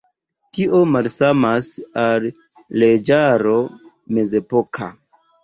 Tio malsamas al leĝaro mezepoka.